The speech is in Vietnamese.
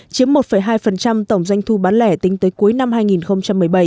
chiếm một hai tổng doanh thu bán lẻ tính tới cuối năm hai nghìn một mươi bảy